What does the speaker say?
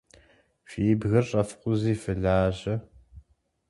Фи бгыр щӏэфкъузи фылажьэ.